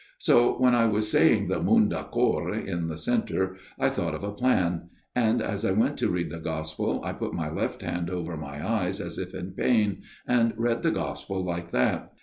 " So when I was saying the Munda cor in the centre, I thought of a plan ; and as I went to read the Gospel I put my left hand over my eyes, as if I was in pain, and read the Gospel like that.